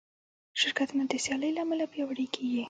شرکتونه د سیالۍ له امله پیاوړي کېږي.